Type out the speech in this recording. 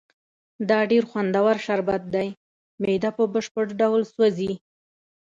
دا ډېر خوندور شربت دی، معده په بشپړ ډول سوځي.